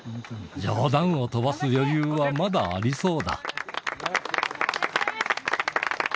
冗談を飛ばす余裕はまだありそうだ。